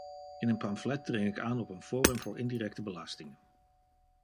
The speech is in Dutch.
In dat pamflet dring ik aan op een forum voor indirecte belastingen.